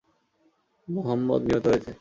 মুহাম্মাদ নিহত হয়েছে।